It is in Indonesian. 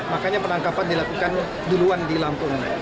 makanya penangkapan dilakukan duluan di lampung